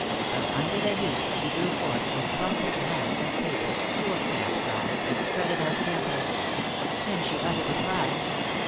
From under the heap she drew forth a crumpled mass of paper, foolscap size, and spread it out carefully. Then she uttered a cry.